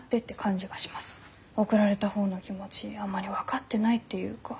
送られた方の気持ちあんまり分かってないっていうか。